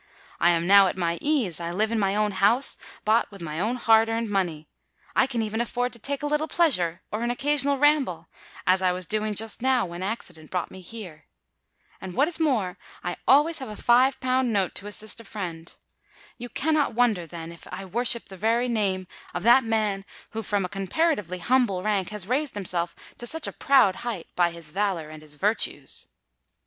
I am now at my ease—I live in my own house, bought with my own hard earned money:—I can even afford to take a little pleasure, or an occasional ramble, as I was doing just now when accident brought me here. And, what is more, I always have a five pound note to assist a friend. You cannot wonder, then, if I worship the very name of that man who from a comparatively humble rank has raised himself to such a proud height by his valour and his virtues."